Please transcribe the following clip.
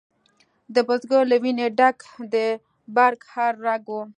د بزګر له ویني ډک د برګ هر رګ و